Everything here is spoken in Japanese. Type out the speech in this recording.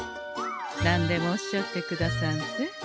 何でもおっしゃってくださんせ。